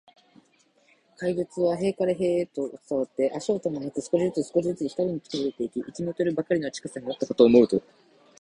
怪物は塀から塀へと伝わって、足音もなく、少しずつ、少しずつ、ふたりに近づいていき、一メートルばかりの近さになったかと思うと、